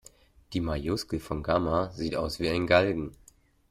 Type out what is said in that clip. Die Majuskel von Gamma sieht aus wie ein Galgen.